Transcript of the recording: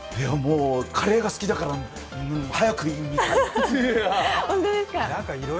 カレーが好きだから早く見たい！